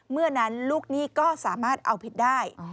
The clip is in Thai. เมื่อนั้นลูกหนี้ก็สามารถเอาผิดได้